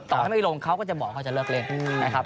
ต่อให้ไม่ลงเขาก็จะบอกเขาจะเลิกเล่นนะครับ